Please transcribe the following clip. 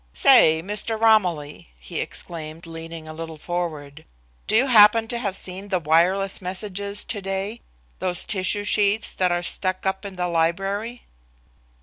"Say, Mr. Romilly," he exclaimed, leaning a little forward, "do you happen to have seen the wireless messages to day? those tissue sheets that are stuck up in the library?"